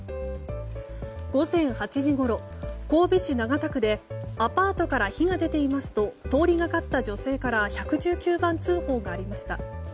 午前８時ごろ、神戸市長田区でアパートから火が出ていますと通りがかった女性から１１９番通報がありました。